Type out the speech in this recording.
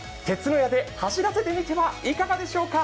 鐵ノ家で走らせてみてはいかがでしょうか？